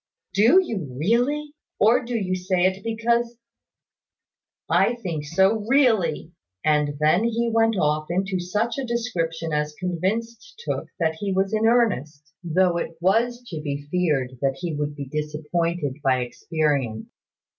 "Do you really? Or do you say it because " "I think so really." And then he went off into such a description as convinced Tooke that he was in earnest, though it was to be feared that he would be disappointed by experience.